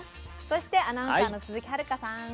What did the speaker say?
そしてアナウンサーの鈴木遥さん。